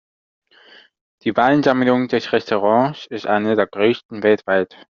Die Weinsammlung des Restaurants ist eine der größten weltweit.